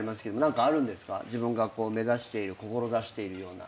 自分が目指している志しているような。